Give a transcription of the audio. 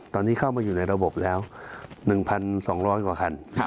ตอนนี้เข้ามาอยู่ในระบบแล้ว๑๒๐๐กว่าคัน